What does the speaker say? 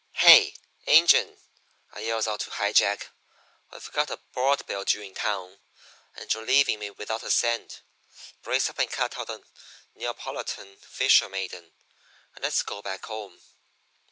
"'Hey! Injun!' I yells out to High Jack. 'We've got a board bill due in town, and you're leaving me without a cent. Brace up and cut out the Neapolitan fisher maiden, and let's go back home.'